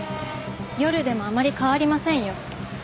夜でもあまり変わりませんよ。